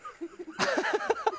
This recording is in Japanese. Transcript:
ハハハハ！